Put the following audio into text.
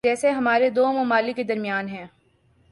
جیسے ہمارے دو ممالک کے درمیان ہیں۔